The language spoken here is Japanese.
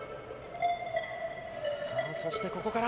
そしてここから。